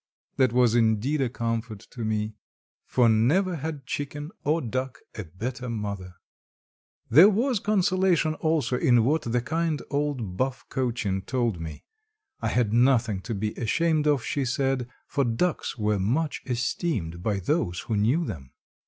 That was indeed a comfort to me. For never had chicken or duck a better mother. There was consolation also, in what the kind old Buff Cochin told me. I had nothing to be ashamed of, she said, for ducks were much esteemed by those who knew them.